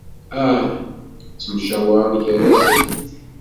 Ah! Ttttemcawaren gar-asen.